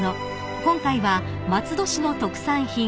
［今回は松戸市の特産品あじさい